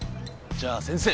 じゃあ先生